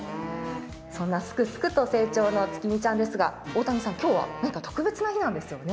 そんなすくすくと成長のつきみちゃんですが大谷さん、今日は特別な日なんですよね。